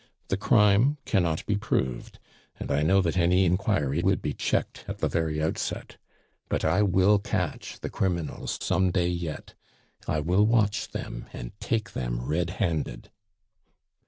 The crime cannot be proved, and I know that any inquiry would be checked at the very outset. But I will catch the criminals some day yet. I will watch them and take them red handed."